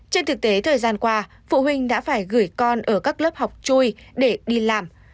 trên thực tế thời gian qua phụ huynh đã phải gửi con ở các lớp học chui để đi làm